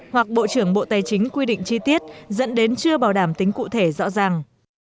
hoặc bộ trưởng bộ tài chính quy định chi tiết dẫn đến chưa bảo đảm tính cụ thể rõ ràng